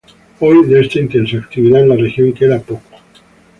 Hoy, de esa intensa actividad en la región queda poco.